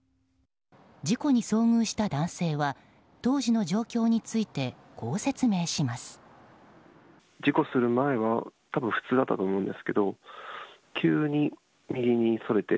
事故に遭遇した男性は当時の状況についてこう説明します。